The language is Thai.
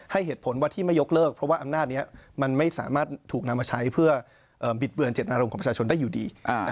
เหตุผลว่าที่ไม่ยกเลิกเพราะว่าอำนาจนี้มันไม่สามารถถูกนำมาใช้เพื่อบิดเบือนเจตนารมณ์ของประชาชนได้อยู่ดี